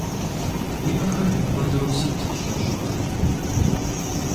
Уи ӏэхэр мыпхуэдэу сыт щӏэщӏыӏэр?